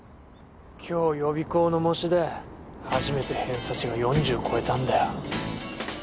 今日予備校の模試で初めて偏差値が４０を超えたんだよ